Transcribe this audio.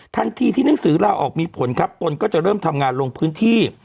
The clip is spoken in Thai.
ทันทีที่หนังสือลาออกมีผลครับตนก็จะเริ่มทำงานลงพื้นที่